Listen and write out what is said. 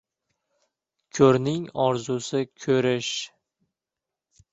• Ko‘rning orzusi — ko‘rish.